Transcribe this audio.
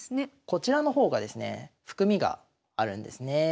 こちらの方がですね含みがあるんですね。